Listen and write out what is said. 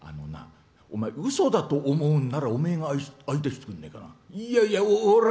あのな、お前うそだと思うんならおめえが相手してくれねえかな。